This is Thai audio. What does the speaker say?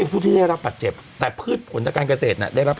ผู้ที่ได้รับบัตรเจ็บแต่พืชผลทางการเกษตรน่ะได้รับ